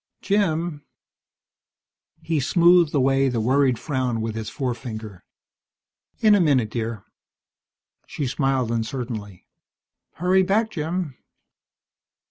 "Jim " He smoothed away the worried frown with his forefinger. "In a minute, dear." She smiled uncertainly. "Hurry back, Jim."